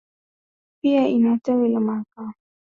pia ina tawi la mahakama ambalo linajumuisha Mahakama ya